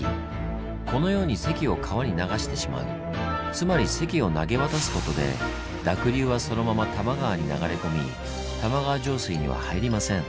このように堰を川に流してしまうつまり堰を投げ渡すことで濁流はそのまま多摩川に流れ込み玉川上水には入りません。